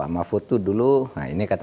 mahfud itu dulu nah ini kata